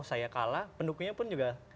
saya kalah pendukungnya pun juga